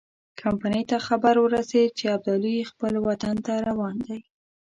کمپنۍ ته خبر ورسېد چې ابدالي خپل وطن ته روان دی.